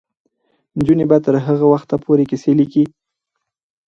نجونې به تر هغه وخته پورې کیسې لیکي.